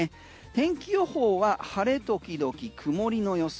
天気予報は晴れ時々曇りの予想